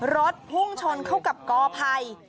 รถพุ่งชนเข้ากับกอภัย